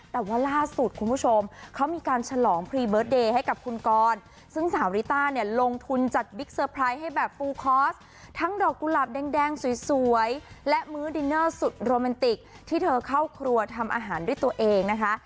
แต่ว่าล่าสุดคุณผู้ชมเขามีการฉลองพรีเบิร์ตเดย์ให้กับคุณกรซึ่งสาวริต้าเนี่ยลงทุนจัดบิ๊กเซอร์ไพรส์ให้แบบฟูคอร์สทั้งดอกกุหลาบแดงสวยและมื้อดินเนอร์สุดโรแมนติกที่เธอเข้าครัวทำอาหารด้วยตัวเองนะคะ